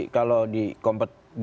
kalau di kompet di jadikan seperti ini